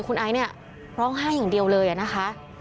คุณไอซ์เนี่ยร้องไห้อย่างเดียวเลยนะคะ